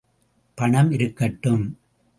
பணம் இருக்கட்டும்.